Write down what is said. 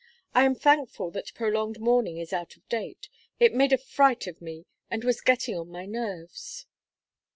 "I am thankful that prolonged mourning is out of date; it made a fright of me and was getting on my nerves."